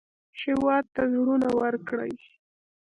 هېواد ته زړونه ورکړئ